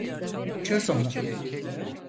Çöz onu.